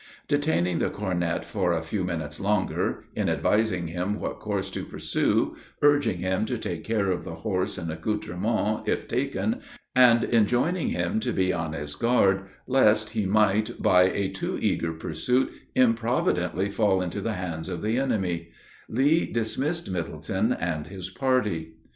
Detaining the cornet a few minutes longer, in advising him what course to pursue urging him to take care of the horse and accoutrements, if taken and enjoining him to be on his guard, lest he might, by a too eager pursuit, improvidently fall into the hands of the enemy Lee dismissed Middleton and his party.